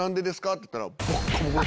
って言ったら。